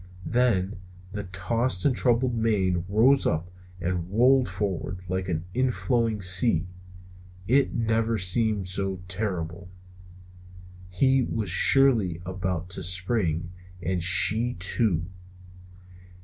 Then the tossed and troubled mane rose up and rolled forward like an inflowing sea. It never seemed so terrible. He was surely about to spring! And she, too!